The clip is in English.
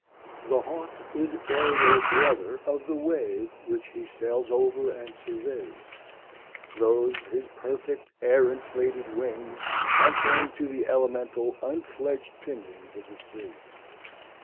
The hawk is aerial brother of the wave which he sails over and surveys, those his perfect air inflated wings answering to the elemental unfledged pinions of the sea.